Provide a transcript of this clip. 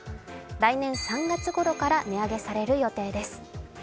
来年３月ごろから値上げされる予定です。